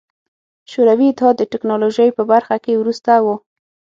شوروي اتحاد د ټکنالوژۍ په برخه کې وروسته و.